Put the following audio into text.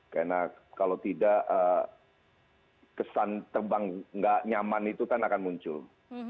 karena kalau tidak kesan terbang nggak nyaman itu kan akan muncul